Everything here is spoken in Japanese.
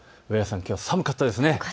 きょうは寒かったですね。